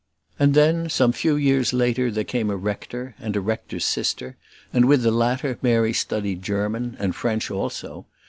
And then, some few years later, there came a rector, and a rector's sister; and with the latter Mary studied German, and French also.